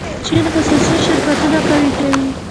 چین خصوصي شرکتونه قوي کړي.